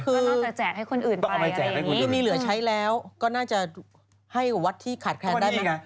คือน่าจะแจกให้คนอื่นไปอะไรอย่างนี้คือมีเหลือใช้แล้วก็น่าจะให้วัดที่ขาดแคลนได้ไหมล่ะ